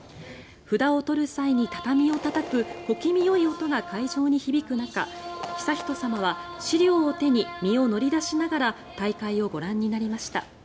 札を取る際に畳をたたく小気味よい音が会場に響く中悠仁さまは資料を手に身を乗り出しながら大会をご覧になりました。